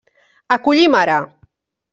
Acollim ara!